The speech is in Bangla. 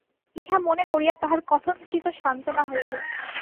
ইহা মনে করিয়া তাঁহার কথঞ্চিৎ সান্ত্বনা হইল।